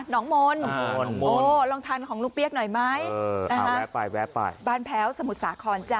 น้องมนต์ลองทานของลุงเปี๊ยกหน่อยไหมนะครับบ้านแพ้วสมุทรสาคอน